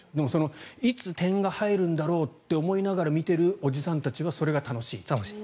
いつ、点が入るんだろうと思いながら見ているおじさんたちは、それが楽しい。